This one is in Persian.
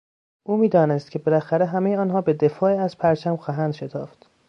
او میدانست که بالاخره همهی آنها به دفاع از پرچم خواهند شتافت.